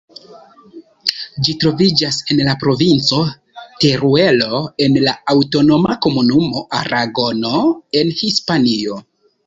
Ĝi troviĝas en la provinco Teruelo, en la aŭtonoma komunumo Aragono, en Hispanio.